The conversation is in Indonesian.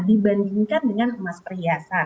dibandingkan dengan emas perhiasan